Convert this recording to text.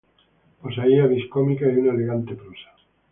Poseía vis cómica y una elegante prosa.